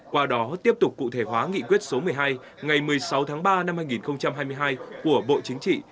qua đó tiếp tục cụ thể hóa nghị quyết số một mươi hai ngày một mươi sáu tháng ba năm hai nghìn hai mươi hai của bộ chính trị